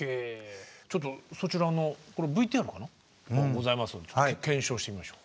ちょっとそちらのＶＴＲがございますので検証してみましょう。